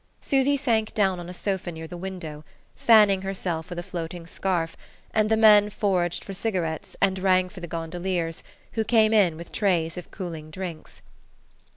Susy sank down on a sofa near the window, fanning herself with a floating scarf, and the men foraged for cigarettes, and rang for the gondoliers, who came in with trays of cooling drinks.